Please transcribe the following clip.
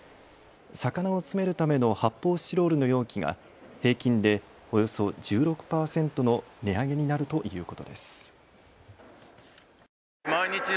魚を詰めるための発泡スチロールの容器が平均でおよそ１６％の値上げになるということです。